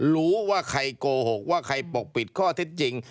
รู้ว่าใครโกหกว่าใครปกปิดข้อเท็จจริง